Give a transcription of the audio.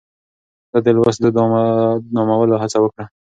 ده د لوست دود عامولو هڅه وکړه.